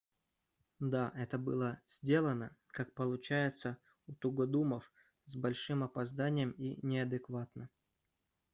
Да, это было сделано, как получается у тугодумов, с большим опозданием и неадекватно.